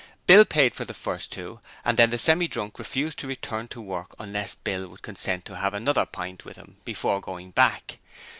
Bill paid for the first two and then the Semi drunk refused to return to work unless Bill would consent to have another pint with him before going back.